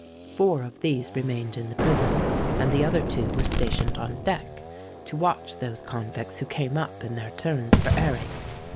Four of these remained in the prison; and the other two were stationed on deck, to watch those convicts who came up in their turns for airing.